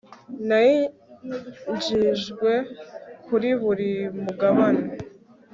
n ayinjijwe kuri buri mugabane